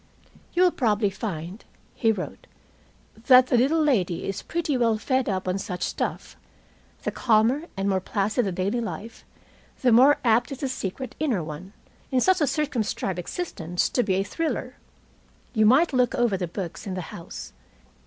"You will probably find," he wrote, "that the little lady is pretty well fed up on such stuff. The calmer and more placid the daily life, the more apt is the secret inner one, in such a circumscribed existence, to be a thriller! You might look over the books in the house.